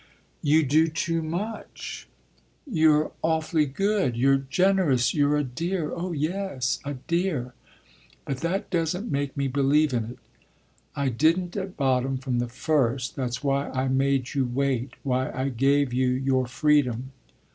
"You do too much. You're awfully good, you're generous, you're a dear, oh yes a dear. But that doesn't make me believe in it. I didn't at bottom, from the first that's why I made you wait, why I gave you your freedom.